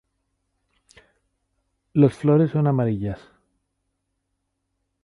Los flores son amarillas.